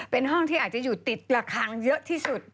เป็นห้องที่อาจจะอยู่ติดระคังเยอะที่สุด